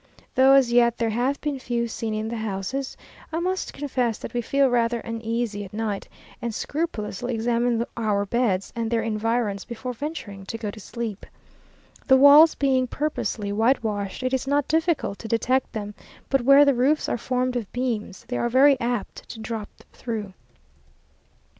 Though as yet there have been few seen in the houses, I must confess that we feel rather uneasy at night, and scrupulously examine our beds and their environs before venturing to go to sleep. The walls being purposely whitewashed, it is not difficult to detect them; but where the roofs are formed of beams, they are very apt to drop through.